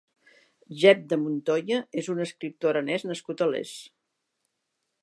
Jèp de Montoya és un escriptor aranès nascut a Les.